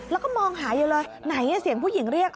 แล้วก็มองหาอยู่เลยไหนเสียงผู้หญิงเรียก